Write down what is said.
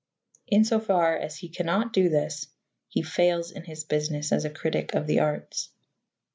In so far as he cannot do this, he fails in his business as a critic of the arts.